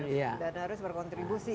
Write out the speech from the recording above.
dan harus berkontribusi ya